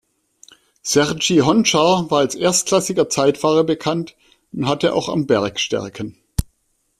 Serhij Hontschar war als erstklassiger Zeitfahrer bekannt und hatte auch am Berg Stärken.